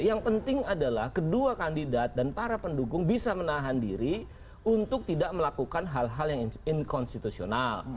yang penting adalah kedua kandidat dan para pendukung bisa menahan diri untuk tidak melakukan hal hal yang inkonstitusional